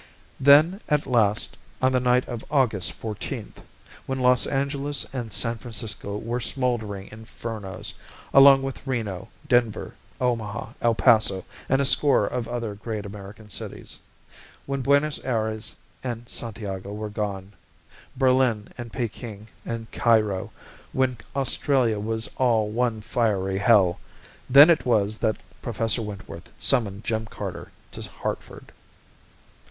Then at last, on the night of August 14th, when Los Angeles and San Francisco were smoldering infernos, along with Reno, Denver, Omaha, El Paso and a score of other great American cities; when Buenos Aires and Santiago were gone, Berlin and Peking and Cairo; when Australia was all one fiery hell then it was that Professor Wentworth summoned Jim Carter to Hartford.